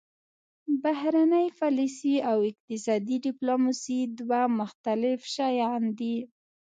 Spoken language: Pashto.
بهرنۍ پالیسي او اقتصادي ډیپلوماسي دوه مختلف شیان دي